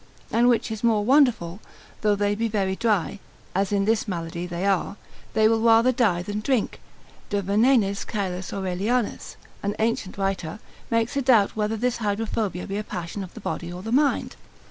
And which is more wonderful; though they be very dry, (as in this malady they are) they will rather die than drink: de Venenis Caelius Aurelianus, an ancient writer, makes a doubt whether this Hydrophobia be a passion of the body or the mind.